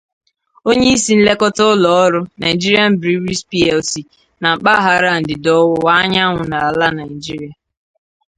onyeisi nlekọta ụlọọrụ 'Nigerian Breweries Plc' na mpaghara ndịda-ọwụwa anyanwụ ala Nigeria